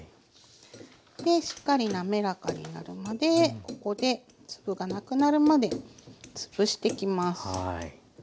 しっかり滑らかになるまでここで粒がなくなるまでつぶしてきます。